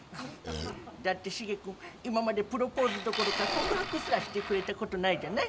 だって、しげ君、今までプロポーズどころか告白すらしてくれたことないじゃない。